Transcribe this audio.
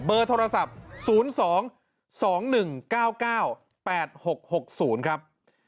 โทรศัพท์๐๒๒๑๙๙๘๖๖๐ครับ